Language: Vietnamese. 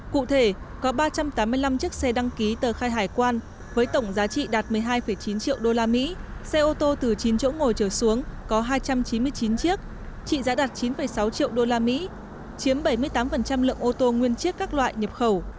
cụ thể có ba trăm tám mươi năm chiếc xe đăng ký tờ khai hải quan với tổng giá trị đạt một mươi hai chín triệu usd xe ô tô từ chín chỗ ngồi trở xuống có hai trăm chín mươi chín chiếc trị giá đạt chín sáu triệu usd chiếm bảy mươi tám lượng ô tô nguyên chiếc các loại nhập khẩu